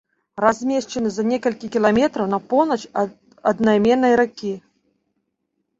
Размешчаны за некалькі кіламетраў на поўнач ад аднайменнай ракі.